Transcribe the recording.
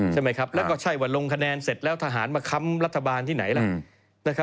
ใช่ไหมครับแล้วก็ใช่ว่าลงคะแนนเสร็จแล้วทหารมาค้ำรัฐบาลที่ไหนล่ะ